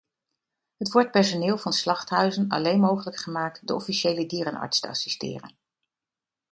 Het wordt personeel van slachthuizen alleen mogelijk gemaakt de officiële dierenarts te assisteren.